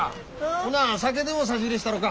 ほな酒でも差し入れしたろか。